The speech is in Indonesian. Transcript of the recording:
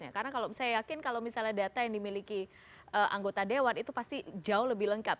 karena saya yakin kalau misalnya data yang dimiliki anggota dewan itu pasti jauh lebih lengkap